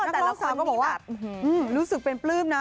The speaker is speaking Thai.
นักร้องซ้ำก็บอกว่ารู้สึกเป็นปลื้มนะ